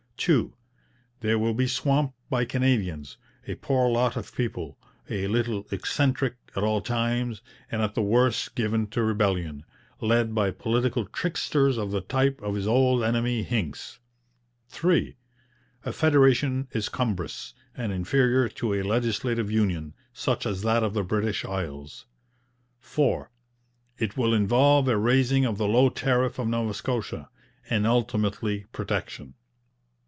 2. They will be swamped by Canadians, a poor lot of people, a little eccentric at all times, and at the worst given to rebellion led by political tricksters of the type of his old enemy Hincks. 3. A federation is cumbrous, and inferior to a legislative union, such as that of the British Isles. 4. It will involve a raising of the low tariff of Nova Scotia, and ultimately protection.